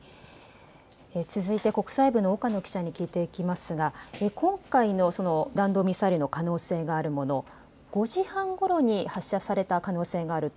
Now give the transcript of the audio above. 続いて国際部の岡野記者に聞いていきますが、今回の弾道ミサイルの可能性があるもの、５時半ごろに発射された可能性があると。